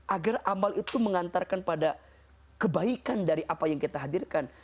agar amal itu mengantarkan pada kebaikan dari apa yang kita hadirkan